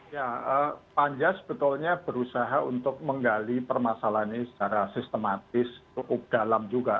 ya panja sebetulnya berusaha untuk menggali permasalahan ini secara sistematis cukup dalam juga